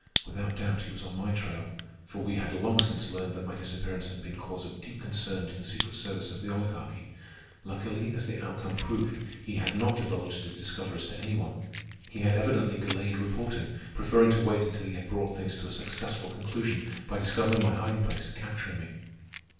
Without doubt he was on my trail, for we had long since learned that my disappearance had been cause of deep concern to the secret service of the Oligarchy. Luckily, as the outcome proved, he had not divulged his discoveries to any one. He had evidently delayed reporting, preferring to wait until he had brought things to a successful conclusion by discovering my hiding place and capturing me.